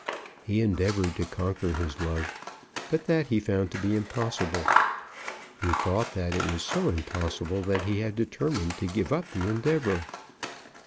He endeavoured to conquer his love; but that he found to be impossible. He thought that it was so impossible that he had determined to give up the endeavour.